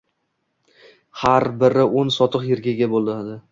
har biri o‘n sotix yerga ega bo‘ladi.